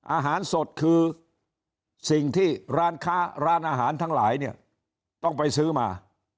อาหารสดคือสิ่งที่ร้านค้าร้านอาหารทั้งหลายเนี่ยต้องไปซื้อมา